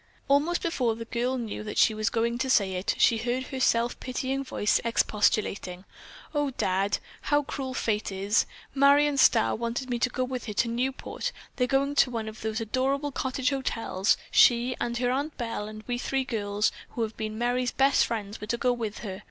Almost before the girl knew that she was going to say it, she heard her self pitying voice expostulating, "Oh, Dad, how cruel fate is! Marion Starr wanted me to go with her to Newport. They're going to one of those adorable cottage hotels, she and her Aunt Belle, and we three girls who have been Merry's best friends were to go with her.